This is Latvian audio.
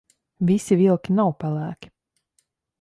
Visi vilki nav pelēki.